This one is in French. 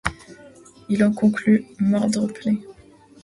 Il en conclut: Mordre plaît.